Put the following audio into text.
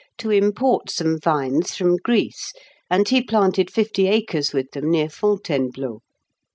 to import some vines from Greece, and he planted fifty acres with them near Fontainebleau.